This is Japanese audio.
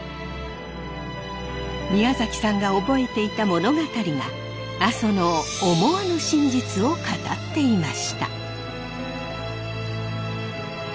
宮崎さんが覚えていた物語が阿蘇の思わぬ真実を語っていました。